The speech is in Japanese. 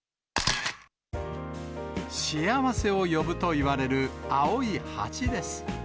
幸せを呼ぶと言われる青い蜂です。